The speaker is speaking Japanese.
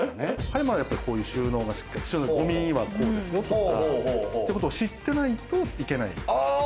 葉山はやっぱりこういう収納がゴミはこうですよとかってことを知ってないといけない。